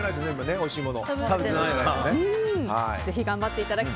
おいしいもの。